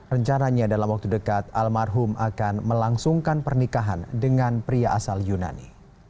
rencananya dalam waktu dekat almarhum akan melangsungkan pernikahan dengan pria asal yunani